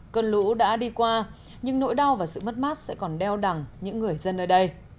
cơn lũ đã đi qua nhưng nỗi đau và sự mất mát sẽ còn đeo đằng những người dân ở đây